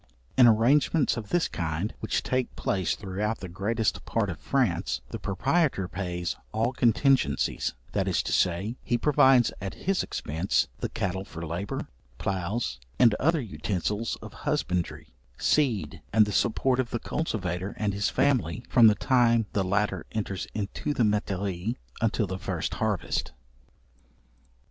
In arrangements of this kind, which take place throughout the greatest part of France, the proprietor pays all contingencies; that is to say, he provides at his expence, the cattle for labour, ploughs, and other utensils of husbandry, seed, and the support of the cultivator and his family, from the time the latter enters into the metairies until the first harvest.